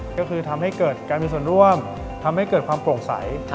ก็คือทำให้เกิดการมีส่วนร่วมทำให้เกิดความโปร่งใส